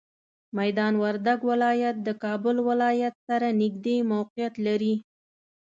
میدان وردګ ولایت د کابل ولایت سره نږدې موقعیت لري.